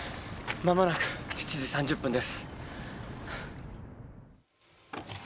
間もなく７時３０分です。